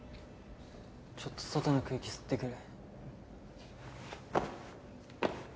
ちょっと外の空気吸ってくる。